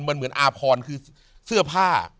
มันเหมือนอาพรคือเสื้อผ้า